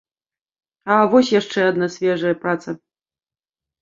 А вось яшчэ адна свежая праца.